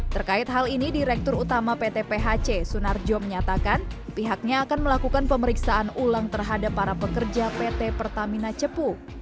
terkait hal ini direktur utama pt phc sunarjo menyatakan pihaknya akan melakukan pemeriksaan ulang terhadap para pekerja pt pertamina cepu